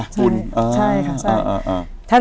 ใช่ค่ะ